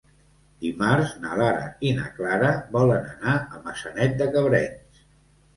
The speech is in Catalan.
Dimarts na Lara i na Clara volen anar a Maçanet de Cabrenys.